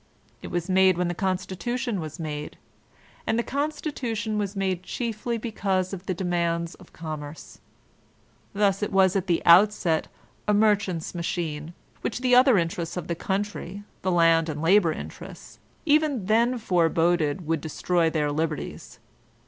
It was made when the Constitution was made ; and the Constitution was made chiefly because of the demands of Commerce. Thus it was at the outset a merchant's machine, which the other interests of the country, the land and labor interests, even then foreboded would destroy their liberties.